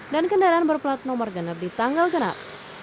dan kendaraan berplat nomor genap di tanggal genap